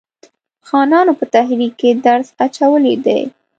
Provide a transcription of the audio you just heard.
خانانو په تحریک کې درز اچولی دی.